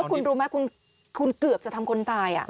คุณรู้ไหมคุณเกือบจะทำคนตาย